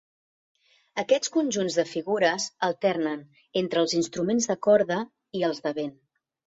Aquests conjunts de figures alternen entre els instruments de corda i els de vent.